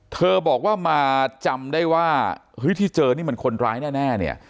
เธอบอกว่ามาจำได้ว่าเฮ้ยที่เจอนี่มันคนร้ายแน่เนี่ย